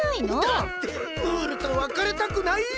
だってムールとわかれたくないよ。